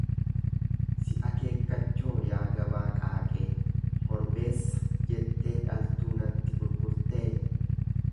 """Si akeekkachoo yaa gabaa qaaqee, 'korbeessa' jettee dhaltuu natti gurgurtee?""."